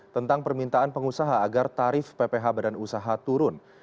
tentang permintaan pengusaha agar tarif pph badan usaha turun